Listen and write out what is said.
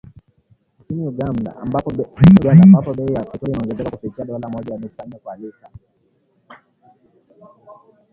Nchini Uganda, ambapo bei ya petroli imeongezeka kufikia dola moja nukta nne kwa lita